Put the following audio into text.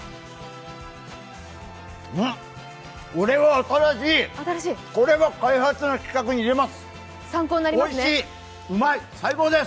これは新しい、これは開発の企画に入れます。